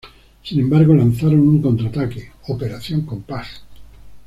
Sin embargo lanzaron un contraataque, Operación Compass.